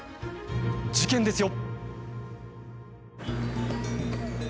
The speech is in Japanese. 事件ですよ。